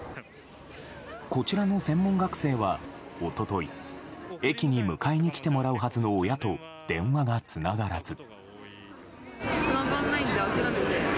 こちらの専門学生は一昨日駅に迎えに来てもらうはずの親と電話がつながらず。